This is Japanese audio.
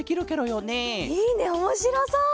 いいねおもしろそう！